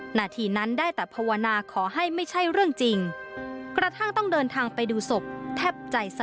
นาทีนั้นได้แต่ภาวนาขอให้ไม่ใช่เรื่องจริงกระทั่งต้องเดินทางไปดูศพแทบใจสั